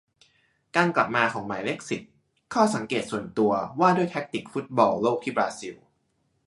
การกลับมาของหมายเลขสิบ : ข้อสังเกตส่วนตัวว่าด้วยแทคติคฟุตบอลโลกที่บราซิล